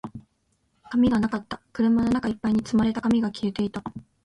紙がなかった。車の中一杯に積まれた紙が消えていた。